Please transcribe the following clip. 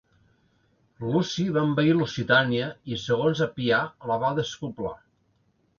Luci va envair Lusitània i, segons Apià, la va despoblar.